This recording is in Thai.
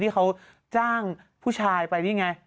ที่เขาจ้างผู้ชายไป